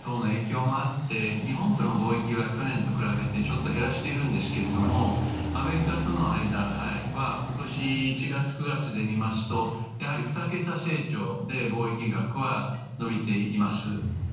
上海のロックダウン等の影響もあって日本との貿易は去年と比べて減らしているんですけどもアメリカとの間は今年１月９月で見ますとやはり２桁成長で防衛額は伸びています。